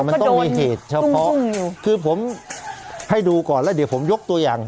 มันต้องมีเหตุเฉพาะคือผมให้ดูก่อนแล้วเดี๋ยวผมยกตัวอย่าง